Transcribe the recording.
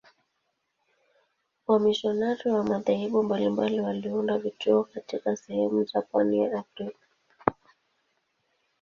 Wamisionari wa madhehebu mbalimbali waliunda vituo katika sehemu za pwani ya Afrika.